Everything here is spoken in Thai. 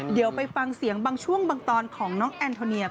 เดี๋ยวไปฟังเสียงบางช่วงบางตอนของน้องแอนโทเนีย